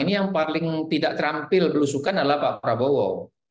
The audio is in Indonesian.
ini yang paling tidak terampil belusukan adalah pak prabowo